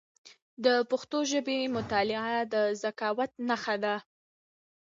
د پښتو ژبي مطالعه د ذکاوت نښه ده.